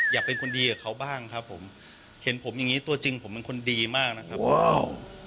อยากเป็นคนดีกับเขาบ้างครับผมเห็นผมอย่างงี้ตัวจริงผมเป็นคนดีมากนะครับอ้าว